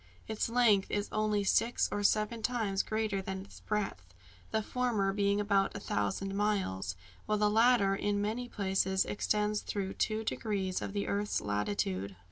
Its length is only six or seven times greater than its breadth the former being about a thousand miles, while the latter in many places extends through two degrees of the earth's latitude.